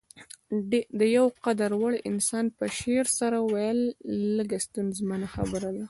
د يو قدر وړ انسان په شعر څه ويل لږه ستونزمنه خبره ده.